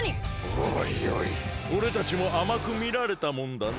おいおいおれたちもあまくみられたもんだな。